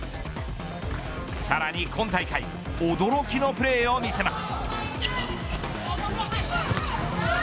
さらに今大会驚きのプレーを見せます。